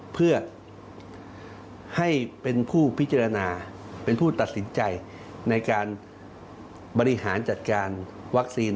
เพื่อให้เป็นผู้พิจารณาเป็นผู้ตัดสินใจในการบริหารจัดการวัคซีน